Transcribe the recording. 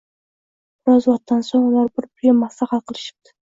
Biroz vaqtdan so‘ng, ular bir-biriga maslahat qilishibdi